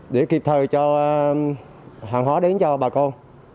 để kịp thời cho hàng hóa đến cho bà con